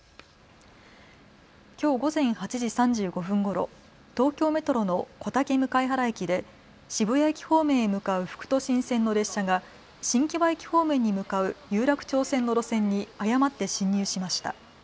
きょう午前８時３５分ごろ、東京メトロの小竹向原駅で渋谷駅方面へ向かう副都心線の列車が新木場駅方面に向かう有楽町線の路線に誤って進入しました。